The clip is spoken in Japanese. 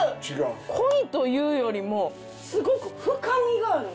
濃いというよりもすごく深みがある。